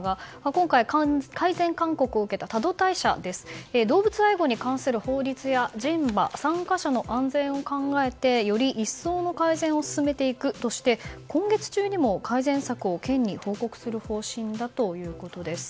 今回、改善勧告を受けた多度大社ですが動物愛護に関する法律や人馬、参加者の安全を考えてより一層の改善を進めていくとして今月中にも改善策を県に報告する方針だということです。